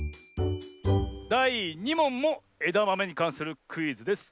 だい２もんもえだまめにかんするクイズです。